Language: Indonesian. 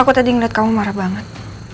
aku tadi ngeliat kamu marah banget